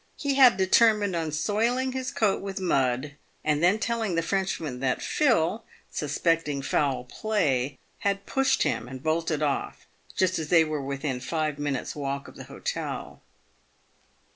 He had determined on soiling his coat with mud, and then telling the French man that Phil, suspecting foul play, had pushed him, and bolted off just as they were within five minutes' walk of the hotel.